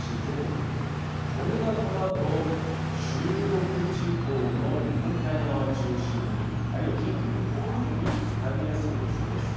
これがこのあと中国地方の日本海側を中心にあるいは近畿の北部にかかりやすい予想です。